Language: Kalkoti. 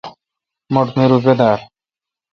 مٹھ می روپہ دار۔